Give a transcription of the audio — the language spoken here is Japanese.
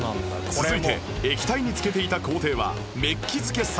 続いて液体につけていた工程はメッキ付け作業